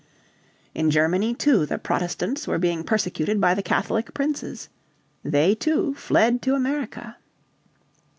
In Germany too the Protestants were being persecuted by the Catholic Princes. They too fled to America.